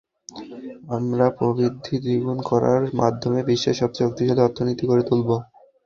আমরা প্রবৃদ্ধি দ্বিগুণ করার মাধ্যমে বিশ্বের সবচেয়ে শক্তিশালী অর্থনীতি গড়ে তুলব।